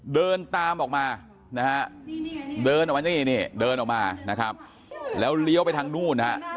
เดินตามออกมานะฮะเดินออกมานี่นี่เดินออกมานะครับแล้วเลี้ยวไปทางนู้นฮะ